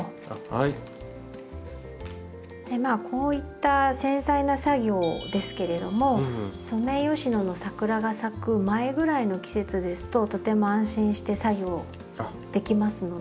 まあこういった繊細な作業ですけれどもソメイヨシノの桜が咲く前ぐらいの季節ですととても安心して作業できますので。